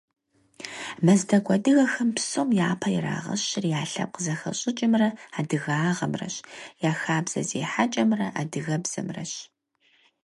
Мэздэгу адыгэхэм псом япэ ирагъэщыр я лъэпкъ зэхэщӏыкӏымрэ адыгагъэмрэщ, я хабзэ зехьэкӏэмрэ адыгэбзэмрэщ.